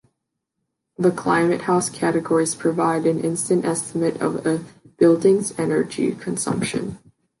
The ClimateHouse categories provide an instant estimate of a building's energy consumption.